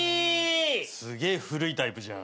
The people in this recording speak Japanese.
すげえ古いタイプじゃん。